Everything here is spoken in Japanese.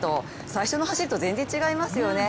最初の走りと全然違いますよね。